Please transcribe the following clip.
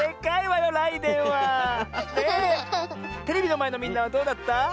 テレビのまえのみんなはどうだった？